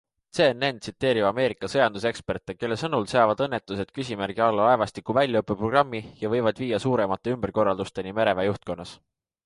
CNN tsiteerib Ameerika sõjanduseksperte, kelle sõnul seavad õnnetused küsimärgi alla laevastiku väljaõppeprogrammi ja võivad viia suuremate ümberkorraldusteni mereväe juhtkonnas.